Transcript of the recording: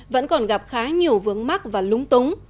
vẫn còn gặp khá nhiều vướng mắc và lúng túng